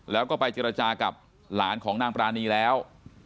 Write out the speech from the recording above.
แล้วก็ไปเจรจากับหลานของนางปรานีแล้ว